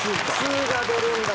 ２が出るんだ。